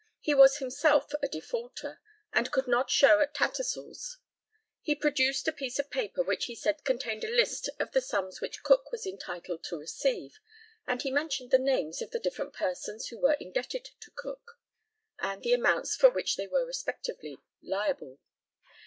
He was himself a defaulter, and could not show at Tattersall's. He produced a piece of paper which he said contained a list of the sums which Cook was entitled to receive, and he mentioned the names of the different persons who were indebted to Cook, and the amounts for which they were respectively liable.